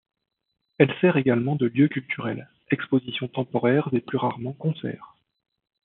Elle sert également de lieu culturel: expositions temporaires et plus rarement concerts.